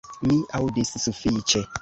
Mi aŭdis sufiĉe.